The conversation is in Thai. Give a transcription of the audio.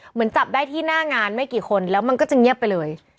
เหมือนจับได้ที่หน้างานไม่กี่คนแล้วมันก็จะเงียบไปเลย